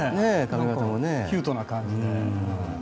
キュートな感じで。